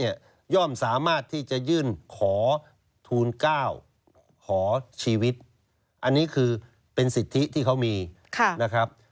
ย่อมสามารถที่จะยื่นขอทูล๙ขอชีวิตอันนี้คือเป็นสิทธิที่เขามีนะครับ